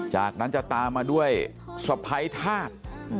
จากนั้นจะตามมาด้วยสะพ้ายธาตุ